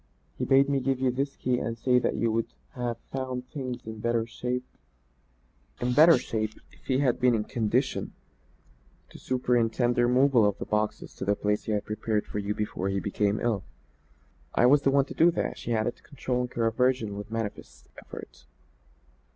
He bade me give you this key and say that you would have found things in better shape if he had been in condition to superintend the removal of the boxes to the place he had prepared for you before he became ill. I was the one to do that," she added, controlling her aversion with manifest effort.